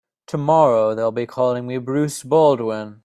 By tomorrow they'll be calling me Bruce Baldwin.